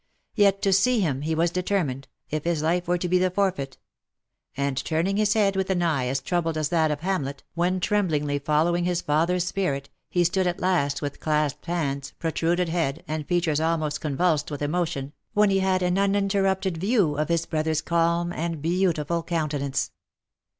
Yet to see him he was determined, if his life were to be the forfeit ; and turning his head with an eye as troubled as that of Hamlet, when tremblingly following his father's spirit, he stood at last with clasped hands, protruded head, and features almost con vulsed with emotion, when he had an uninterrupted view of his brother's calm and beautiful countenance.